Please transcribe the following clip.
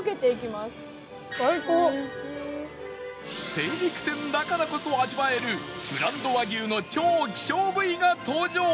精肉店だからこそ味わえるブランド和牛の超希少部位が登場